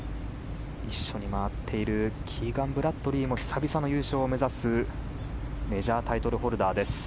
一緒に回っているキーガン・ブラッドリーも久々の優勝を目指すメジャータイトルホルダーです。